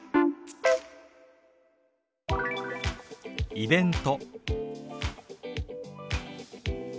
「イベント」。